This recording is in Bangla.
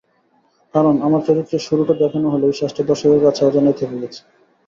কারণ, আমার চরিত্রের শুরুটা দেখানো হলেও শেষটা দর্শকের কাছে অজানাই থেকে গেছে।